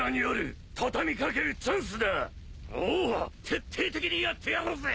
徹底的にやってやろうぜ！